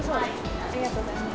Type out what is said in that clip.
ありがとうございます。